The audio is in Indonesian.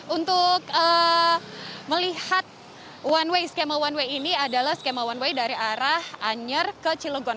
untuk melihat one way skema one way ini adalah skema one way dari arah anyer ke cilegon